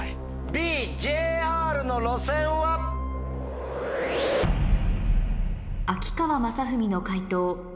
ＢＪＲの路線は⁉秋川雅史の解答